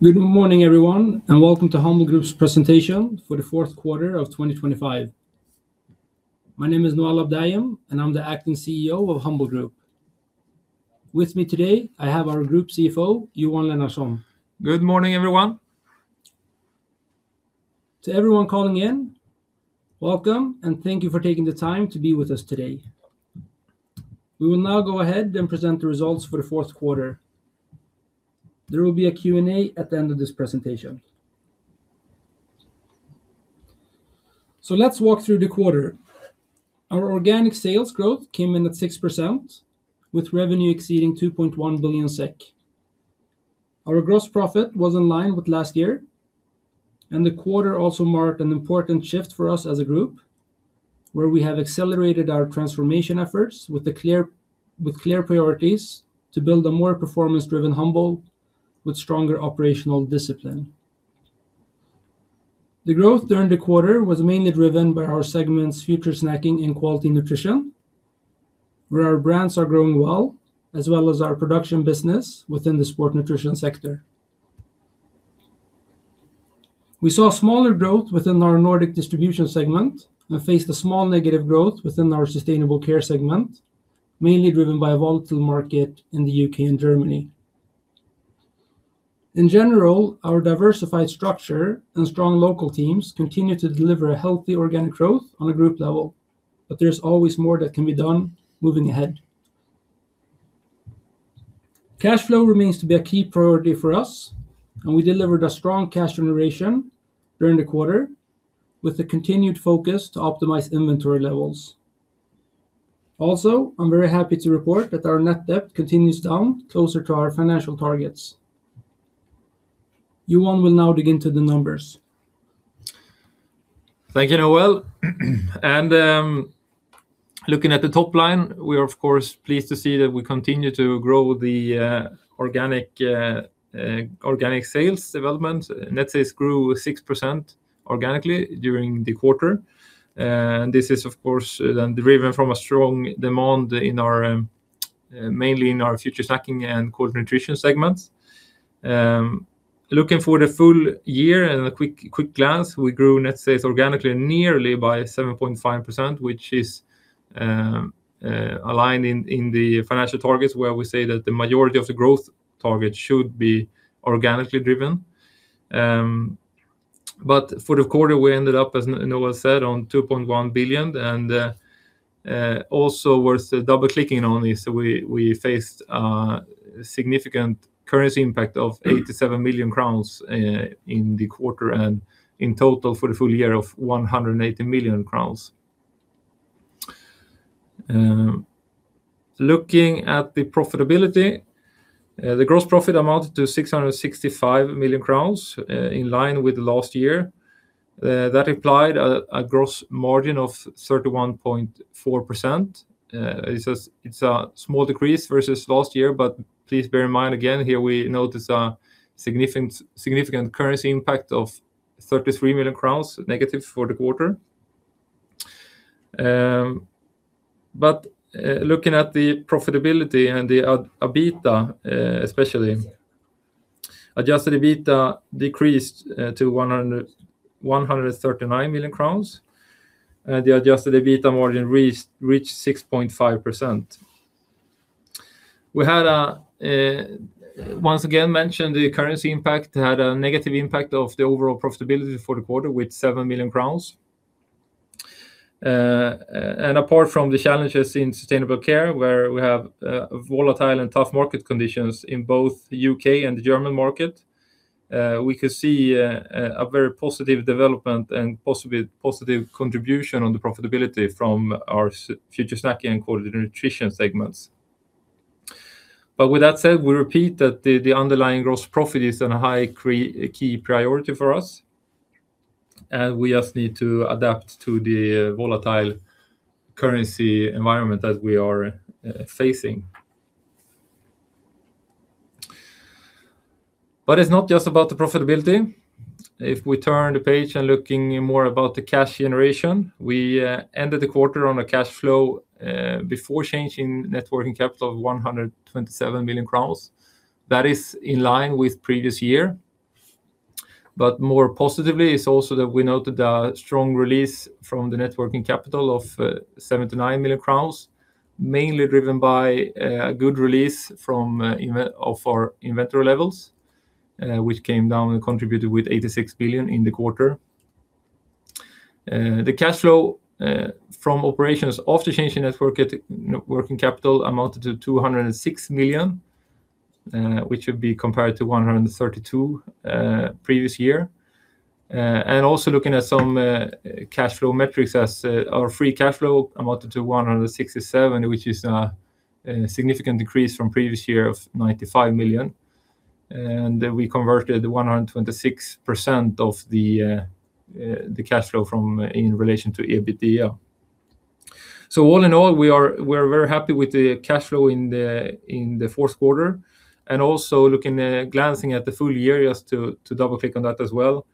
Good morning, everyone, and welcome to Humble Group's presentation for the fourth quarter of 2025. My name is Noel Abdayem, and I'm the acting CEO of Humble Group. With me today, I have our group CFO, Johan Lennartsson. Good morning, everyone! To everyone calling in, welcome, and thank you for taking the time to be with us today. We will now go ahead and present the results for the fourth quarter. There will be a Q&A at the end of this presentation. So let's walk through the quarter. Our organic sales growth came in at 6%, with revenue exceeding 2.1 billion SEK. Our gross profit was in line with last year, and the quarter also marked an important shift for us as a group, where we have accelerated our transformation efforts with clear priorities to build a more performance-driven Humble with stronger operational discipline. The growth during the quarter was mainly driven by our segments Future Snacking and Quality Nutrition, where our brands are growing well, as well as our production business within the sport nutrition sector. We saw smaller growth within our Nordic Distribution segment and faced a small negative growth within our Sustainable Care segment, mainly driven by a volatile market in the UK and Germany. In general, our diversified structure and strong local teams continue to deliver a healthy organic growth on a group level, but there's always more that can be done moving ahead. Cash flow remains to be a key priority for us, and we delivered a strong cash generation during the quarter with a continued focus to optimize inventory levels. Also, I'm very happy to report that our net debt continues down, closer to our financial targets. Johan will now dig into the numbers. Thank you, Noel. Looking at the top line, we are, of course, pleased to see that we continue to grow the organic sales development. Net sales grew 6% organically during the quarter. And this is, of course, then driven from a strong demand mainly in our Future Snacking and Quality Nutrition segments. Looking at the full year and a quick glance, we grew net sales organically nearly by 7.5%, which is aligned in the financial targets, where we say that the majority of the growth target should be organically driven. But for the quarter, we ended up, as Noel said, on 2.1 billion, and also worth double-clicking on this, we faced a significant currency impact of 87 million crowns in the quarter, and in total, for the full year, of 180 million crowns. Looking at the profitability, the gross profit amounted to 665 million crowns in line with last year. That implied a gross margin of 31.4%. It's a small decrease versus last year, but please bear in mind again, here we notice a significant currency impact of -33 million crowns for the quarter. But looking at the profitability and the EBITDA, especially, adjusted EBITDA decreased to 139 million crowns. The adjusted EBITDA margin reached 6.5%. We had once again mention the currency impact had a negative impact of the overall profitability for the quarter, with 7 million crowns. And apart from the challenges in Sustainable Care, where we have volatile and tough market conditions in both the U.K. and the German market, we could see a very positive development and possibly positive contribution on the profitability from our Future Snacking and Quality Nutrition segments. But with that said, we repeat that the underlying gross profit is increasing a key priority for us, and we just need to adapt to the volatile currency environment that we are facing. But it's not just about the profitability. If we turn the page and looking more about the cash generation, we ended the quarter on a cash flow before changing net working capital of 127 million crowns. That is in line with previous year. But more positively, it's also that we noted a strong release from the net working capital of 79 million crowns, mainly driven by good release from of our inventory levels, which came down and contributed with 86 million in the quarter. The cash flow from operations of the change in net working capital amounted to 206 million, which would be compared to 132 million previous year. Also looking at some cash flow metrics as our free cash flow amounted to -167 million, which is a significant decrease from previous year of 95 million. And we converted 126% of the cash flow from in relation to EBITDA. So all in all, we are, we're very happy with the cash flow in the fourth quarter, and also looking at glancing at the full year, just to double-click on that as well.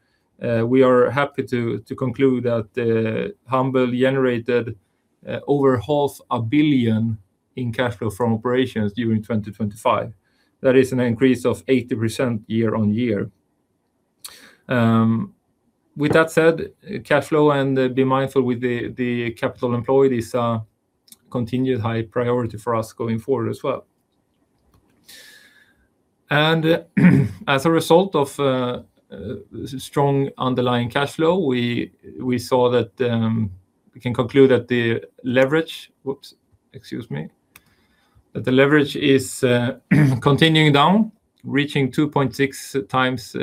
We are happy to conclude that Humble Group generated over 500 million in cash flow from operations during 2025. That is an increase of 80% year-on-year. With that said, cash flow and be mindful with the capital employed is a continued high priority for us going forward as well. As a result of strong underlying cash flow, we saw that we can conclude that the leverage is continuing down, reaching 2.6 times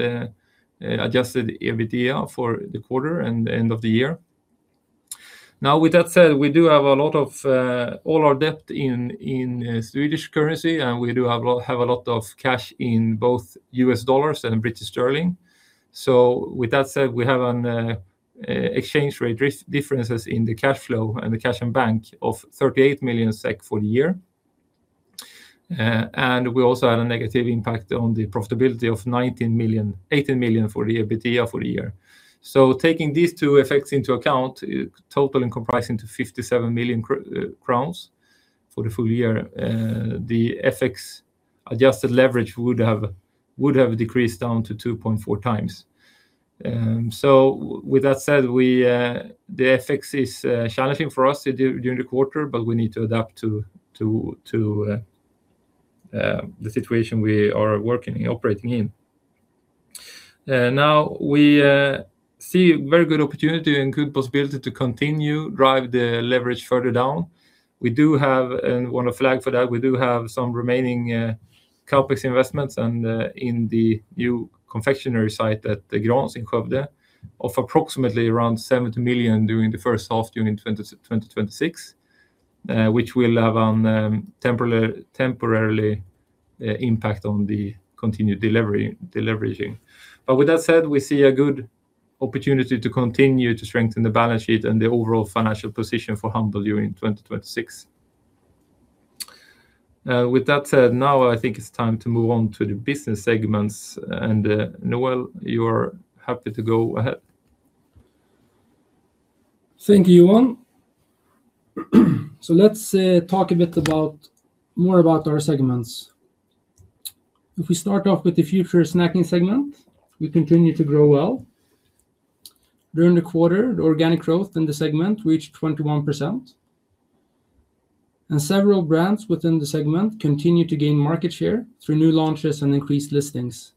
adjusted EBITDA for the quarter and the end of the year. Now, with that said, we do have a lot of all our debt in Swedish currency, and we do have a lot of cash in both US dollars and British sterling. So with that said, we have an exchange rate differences in the cash flow and the cash in bank of 38 million SEK for the year. And we also had a negative impact on the profitability of 19 million, 18 million SEK for the EBITDA for the year. So taking these two effects into account, total encompassing to 57 million crowns for the full year, the FX adjusted leverage would have decreased down to 2.4 times. So with that said, the FX is challenging for us during the quarter, but we need to adapt to the situation we are working and operating in. Now, we see very good opportunity and good possibility to continue drive the leverage further down. We do have, and wanna flag for that, we do have some remaining CapEx investments, and in the new confectionery site at Grahns in Skövde, of approximately around 70 million during the first half in 2026, which will have a temporary impact on the continued deleveraging. But with that said, we see a good opportunity to continue to strengthen the balance sheet and the overall financial position for Humble Group during 2026. With that said, now I think it's time to move on to the business segments, and, Noel, you are happy to go ahead. Thank you, Johan. So let's talk a bit about more about our segments. If we start off with the Future Snacking segment, we continue to grow well. During the quarter, organic growth in the segment reached 21%, and several brands within the segment continued to gain market share through new launches and increased listings.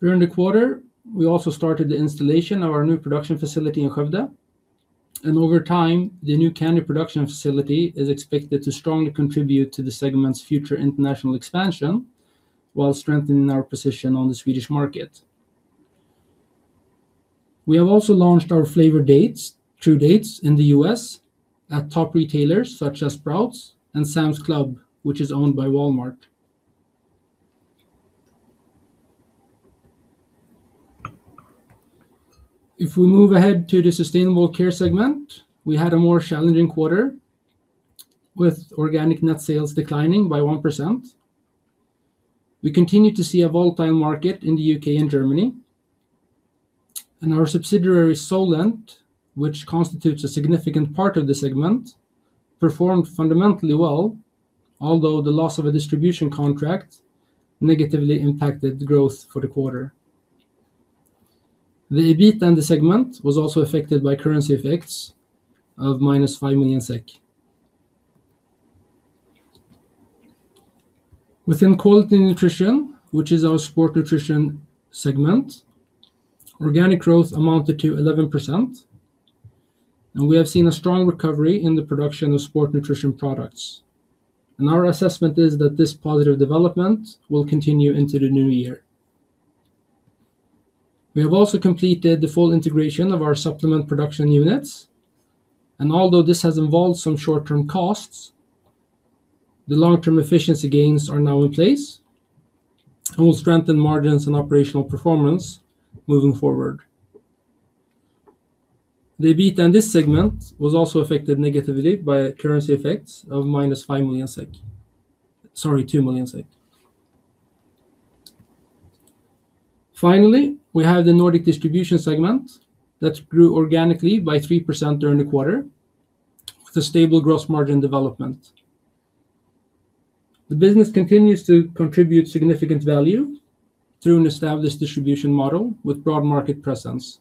During the quarter, we also started the installation of our new production facility in Skövde, and over time, the new candy production facility is expected to strongly contribute to the segment's future international expansion, while strengthening our position on the Swedish market. We have also launched our flavored dates, True Dates, in the U.S. at top retailers such as Sprouts and Sam's Club, which is owned by Walmart. If we move ahead to the Sustainable Care segment, we had a more challenging quarter, with organic net sales declining by 1%. We continue to see a volatile market in the UK and Germany, and our subsidiary, Solent, which constitutes a significant part of the segment, performed fundamentally well, although the loss of a distribution contract negatively impacted growth for the quarter. The EBIT in the segment was also affected by currency effects of -5 million SEK. Within Quality and Nutrition, which is our sport nutrition segment, organic growth amounted to 11%, and we have seen a strong recovery in the production of sport nutrition products, and our assessment is that this positive development will continue into the new year. We have also completed the full integration of our supplement production units, and although this has involved some short-term costs, the long-term efficiency gains are now in place and will strengthen margins and operational performance moving forward. The EBIT in this segment was also affected negatively by currency effects of -5 million SEK. Sorry, 2 million SEK. Finally, we have the Nordic Distribution segment that grew organically by 3% during the quarter, with a stable gross margin development. The business continues to contribute significant value through an established distribution model with broad market presence,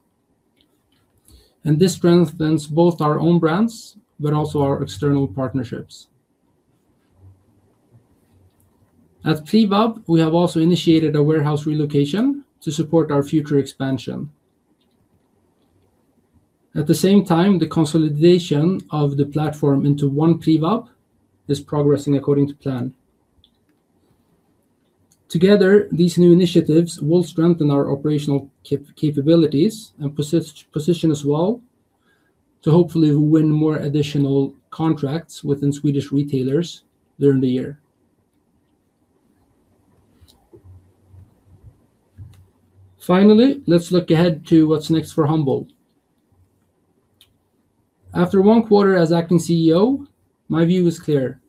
and this strengthens both our own brands, but also our external partnerships. At Privab, we have also initiated a warehouse relocation to support our future expansion. At the same time, the consolidation of the platform into one Privab is progressing according to plan. Together, these new initiatives will strengthen our operational capabilities and position us well to hopefully win more additional contracts within Swedish retailers during the year. Finally, let's look ahead to what's next for Humble Group. After one quarter as acting CEO, my view is clear.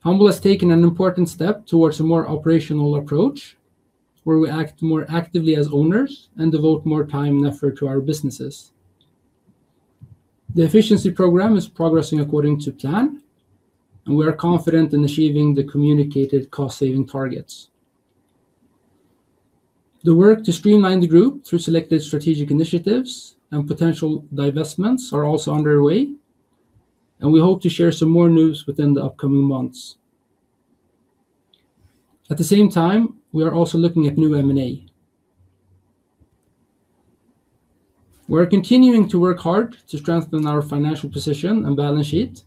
Humble has taken an important step towards a more operational approach, where we act more actively as owners and devote more time and effort to our businesses. The efficiency program is progressing according to plan, and we are confident in achieving the communicated cost-saving targets. The work to streamline the group through selected strategic initiatives and potential divestments are also underway, and we hope to share some more news within the upcoming months. At the same time, we are also looking at new M&A. We are continuing to work hard to strengthen our financial position and balance sheet,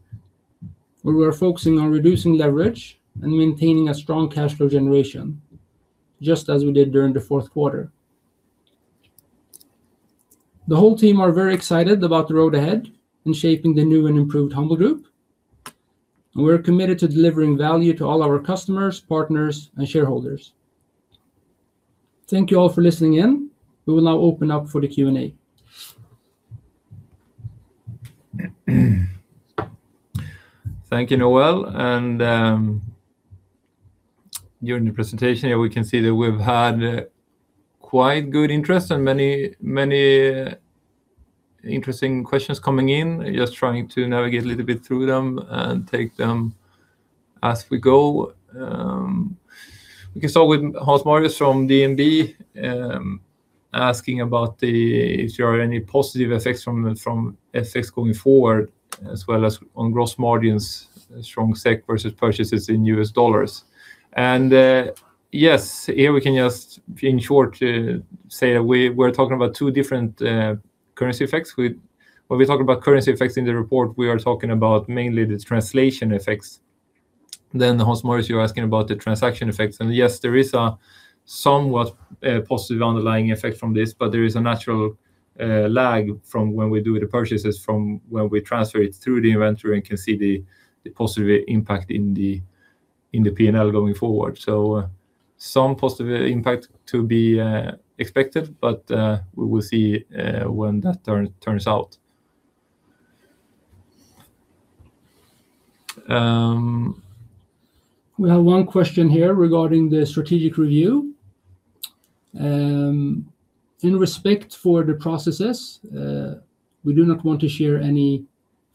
where we are focusing on reducing leverage and maintaining a strong cash flow generation, just as we did during the fourth quarter. The whole team are very excited about the road ahead in shaping the new and improved Humble Group, and we're committed to delivering value to all our customers, partners, and shareholders. Thank you all for listening in. We will now open up for the Q&A. Thank you, Noel, and during the presentation here, we can see that we've had quite good interest and many, many interesting questions coming in. Just trying to navigate a little bit through them and take them as we go. We can start with Hans Marius from DNB Markets, asking about if there are any positive effects from the, from FX going forward, as well as on gross margins, strong SEK versus purchases in U.S. dollars. Yes, here we can just, in short, say that we're talking about two different currency effects. When we talk about currency effects in the report, we are talking about mainly the translation effects. Then Hans Marius, you're asking about the transaction effects, and yes, there is a somewhat positive underlying effect from this, but there is a natural lag from when we do the purchases from when we transfer it through the inventory and can see the positive impact in the P&L going forward. So some positive impact to be expected, but we will see when that turns out. We have one question here regarding the strategic review. In respect for the processes, we do not want to share any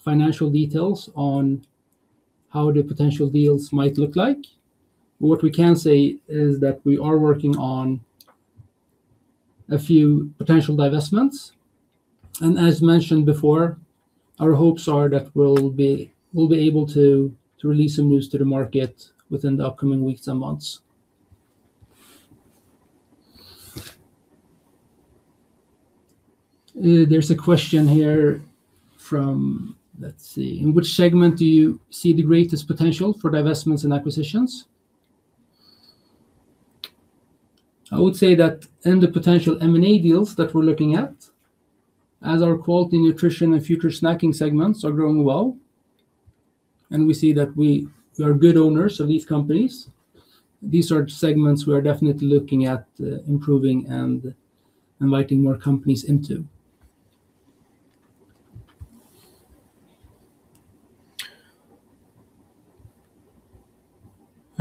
financial details on how the potential deals might look like. What we can say is that we are working on a few potential divestments, and as mentioned before, our hopes are that we'll be able to release some news to the market within the upcoming weeks and months. There's a question here from... Let's see. In which segment do you see the greatest potential for divestments and acquisitions? I would say that in the potential M&A deals that we're looking at, as our Quality Nutrition and Future Snacking segments are growing well, and we see that we are good owners of these companies, these are segments we are definitely looking at improving and inviting more companies into.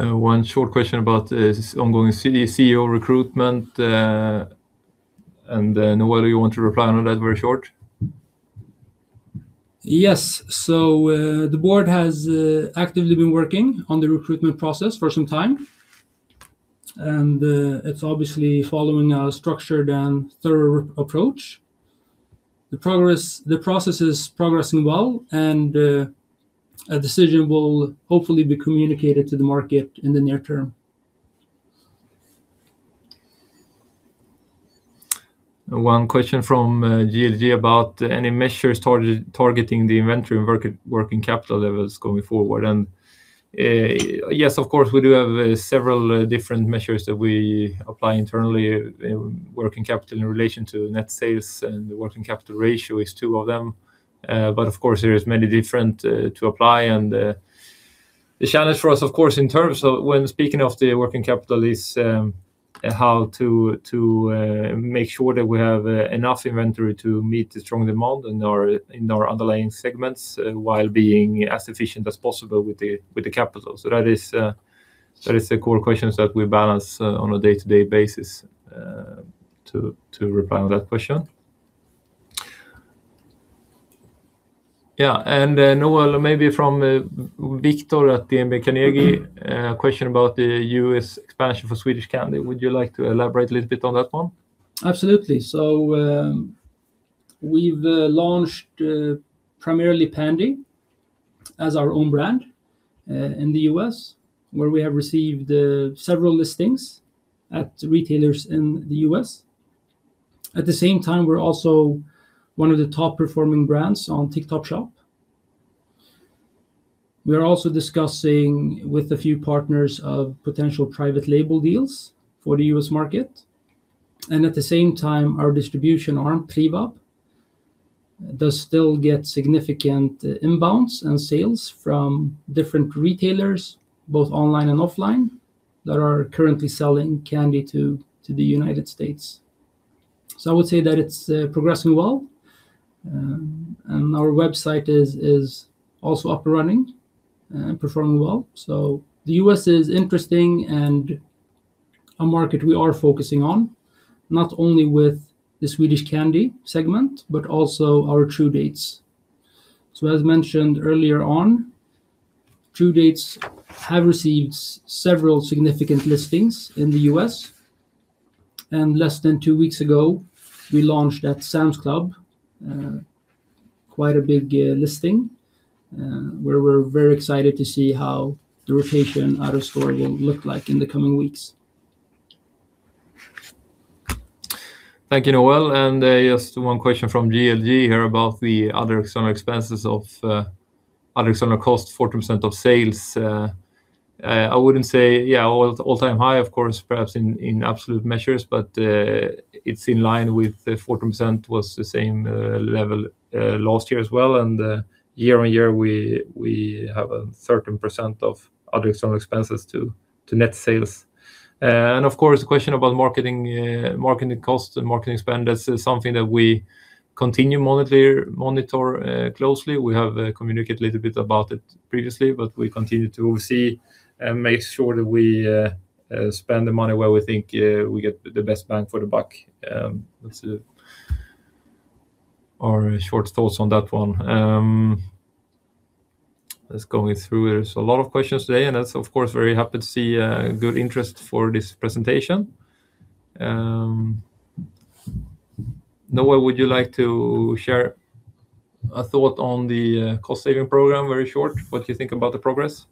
One short question about this ongoing CEO recruitment, and then, Noel, do you want to reply on that very short? Yes. So, the board has actively been working on the recruitment process for some time, and it's obviously following a structured and thorough approach. The progress, the process is progressing well, and a decision will hopefully be communicated to the market in the near term. One question from GLG about any measures targeting the inventory and working capital levels going forward, and yes, of course, we do have several different measures that we apply internally. Working capital in relation to net sales and the working capital ratio is two of them. But of course, there is many different to apply, and the challenge for us, of course, in terms of when speaking of the working capital is how to make sure that we have enough inventory to meet the strong demand in our underlying segments, while being as efficient as possible with the capital. So that is that is the core questions that we balance on a day-to-day basis to reply on that question. Yeah, Noel, maybe from Viktor at Carnegie, question about the U.S. expansion for Swedish Candy. Would you like to elaborate a little bit on that one? Absolutely. So, we've launched primarily Pandy as our own brand in the US, where we have received several listings at retailers in the US. At the same time, we're also one of the top-performing brands on TikTok Shop. We are also discussing with a few partners of potential private label deals for the US market, and at the same time, our distribution arm, Privab, does still get significant inbounds and sales from different retailers, both online and offline that are currently selling candy to the United States. So I would say that it's progressing well. And our website is also up and running, and performing well. So the US is interesting and a market we are focusing on, not only with the Swedish candy segment, but also our True Dates. As mentioned earlier on, True Dates have received several significant listings in the U.S., and less than two weeks ago, we launched at Sam's Club, quite a big listing, where we're very excited to see how the rotation out of store will look like in the coming weeks. Thank you, Noel, and just one question from GLG here about the other external expenses of other external costs, 14% of sales. I wouldn't say yeah all-time high, of course, perhaps in absolute measures, but it's in line with the 14% was the same level last year as well, and year on year, we have a 13% of other external expenses to net sales. And of course, the question about marketing costs and marketing spend, that's something that we continue monitor closely. We have communicated a little bit about it previously, but we continue to see and make sure that we spend the money where we think we get the best bang for the buck. That's our short thoughts on that one. Let's go through. There's a lot of questions today, and that's, of course, very happy to see good interest for this presentation. Noel, would you like to share a thought on the cost-saving program? Very short, what do you think about the progress?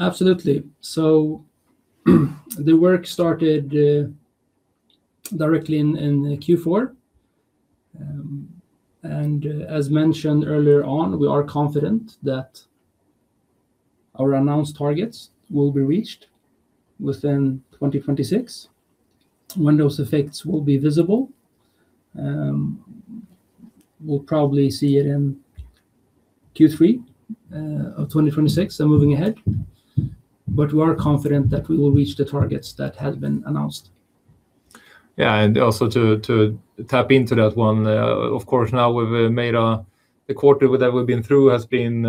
Absolutely. The work started directly in Q4. As mentioned earlier on, we are confident that our announced targets will be reached within 2026, when those effects will be visible. We'll probably see it in Q3 of 2026 and moving ahead, but we are confident that we will reach the targets that have been announced. Yeah, and also to tap into that one, of course, now we've made a... The quarter that we've been through has been,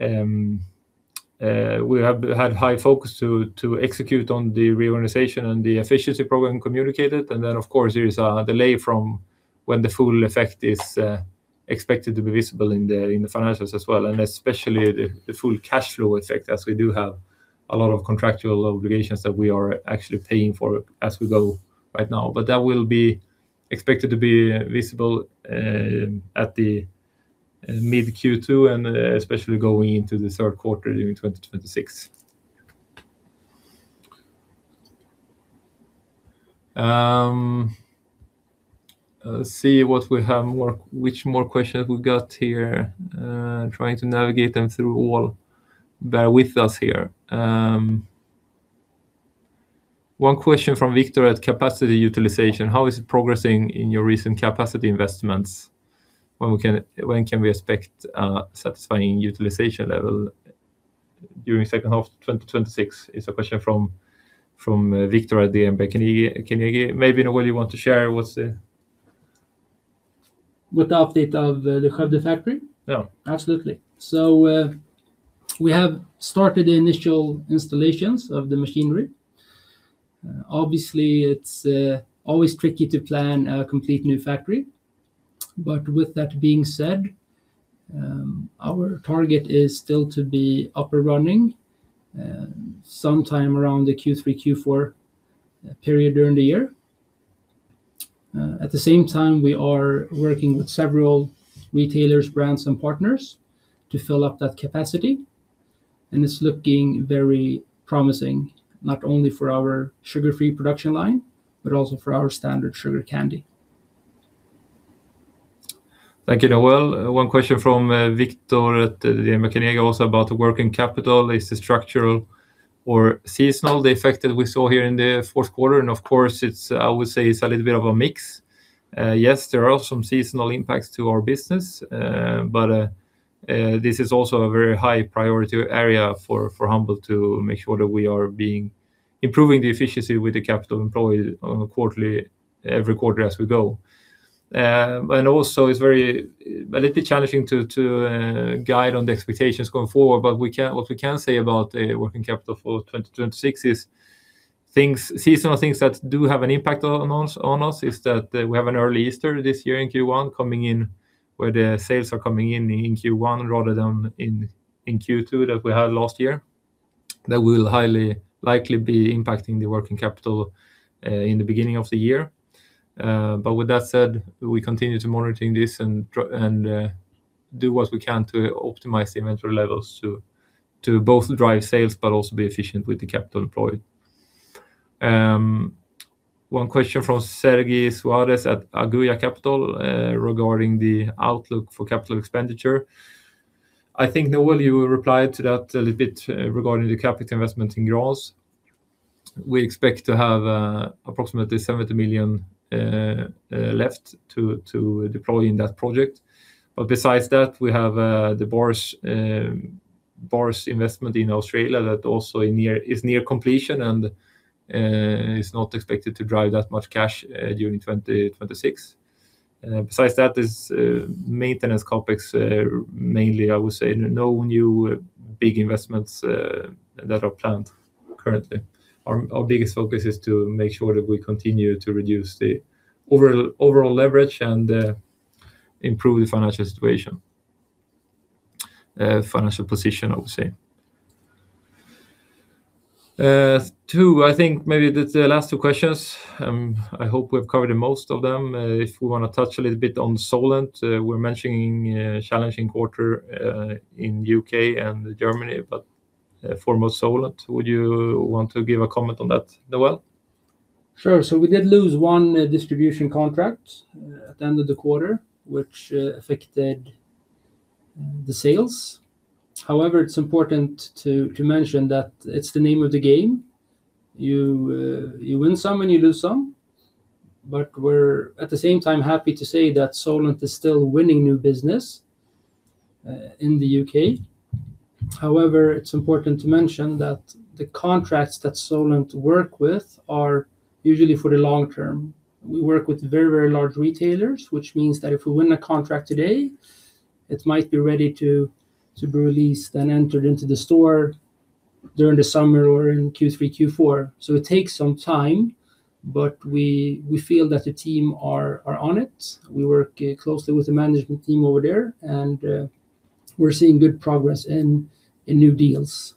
we have had high focus to execute on the reorganization and the efficiency program communicated, and then, of course, there is a delay from when the full effect is expected to be visible in the financials as well, and especially the full cash flow effect, as we do have a lot of contractual obligations that we are actually paying for as we go right now. But that will be expected to be visible at the mid-Q2, and especially going into the third quarter during 2026. Let's see what we have more- which more questions we've got here. Trying to navigate them through all. Bear with us here. One question from Viktor at capacity utilization: "How is it progressing in your recent capacity investments? When we can- when can we expect a satisfying utilization level during second half of 2026?" It's a question from Viktor at DNB. Can you, can you maybe, Noel, you want to share what's the- With the update of the Skövde factory? Yeah. Absolutely. So, we have started the initial installations of the machinery. Obviously, it's always tricky to plan a complete new factory, but with that being said, our target is still to be up and running sometime around the Q3, Q4 period during the year. At the same time, we are working with several retailers, brands, and partners to fill up that capacity, and it's looking very promising, not only for our sugar-free production line, but also for our standard sugar candy. Thank you, Noel. One question from Viktor at the also about the working capital. Is it structural or seasonal, the effect that we saw here in the fourth quarter? And of course, it's a little bit of a mix. Yes, there are some seasonal impacts to our business, but this is also a very high priority area for Humble to make sure that we are improving the efficiency with the capital employed on a quarterly, every quarter as we go. And also, it's very a little bit challenging to guide on the expectations going forward, but what we can say about the working capital for 2026 is seasonal things that do have an impact on us, is that we have an early Easter this year in Q1, coming in, where the sales are coming in in Q1 rather than in Q2 that we had last year, that will highly likely be impacting the working capital in the beginning of the year. But with that said, we continue to monitoring this and do what we can to optimize the inventory levels to both drive sales, but also be efficient with the capital employed. One question from Sergi Suarez at Aquila Capital regarding the outlook for capital expenditure. I think, Noel, you replied to that a little bit regarding the capital investment in Grahns. We expect to have approximately 70 million left to deploy in that project. But besides that, we have the Body Science investment in Australia that also is near completion and is not expected to drive that much cash during 2026. Besides that, maintenance CapEx, mainly. I would say no new big investments that are planned currently. Our biggest focus is to make sure that we continue to reduce the overall leverage and improve the financial situation. Financial position, I would say. Too, I think maybe the last two questions, I hope we've covered the most of them. If we wanna touch a little bit on Solent, we're mentioning challenging quarter in U.K. and Germany, but for most Solent, would you want to give a comment on that, Noel? Sure. So we did lose one distribution contract at the end of the quarter, which affected the sales. However, it's important to mention that it's the name of the game. You win some and you lose some, but we're, at the same time, happy to say that Solent is still winning new business in the U.K. However, it's important to mention that the contracts that Solent work with are usually for the long term. We work with very, very large retailers, which means that if we win a contract today, it might be ready to be released and entered into the store during the summer or in Q3, Q4. So it takes some time, but we feel that the team are on it. We work closely with the management team over there, and we're seeing good progress in new deals.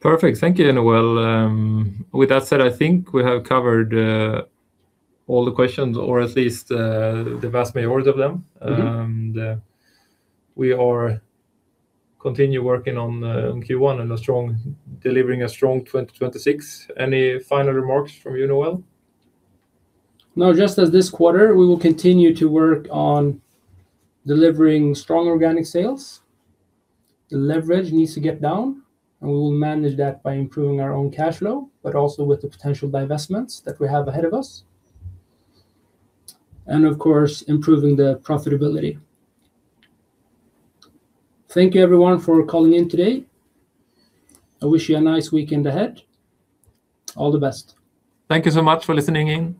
Perfect. Thank you, Noel. With that said, I think we have covered all the questions, or at least the vast majority of them. We are continue working on Q1 and delivering a strong 2026. Any final remarks from you, Noel? No, just as this quarter, we will continue to work on delivering strong organic sales. The leverage needs to get down, and we will manage that by improving our own cash flow, but also with the potential divestments that we have ahead of us, and of course, improving the profitability. Thank you, everyone, for calling in today. I wish you a nice weekend ahead. All the best. Thank you so much for listening in.